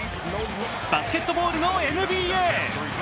バスケットボールのＮＢＡ。